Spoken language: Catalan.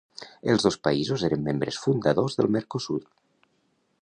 Els dos països eren membres fundadors del Mercosur.